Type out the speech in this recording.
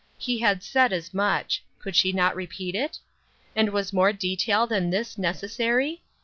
He had said as much ; could she not repeat it ? and was more detail than this necessary